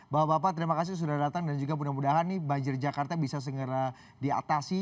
bapak bapak terima kasih sudah datang dan juga mudah mudahan nih banjir jakarta bisa segera diatasi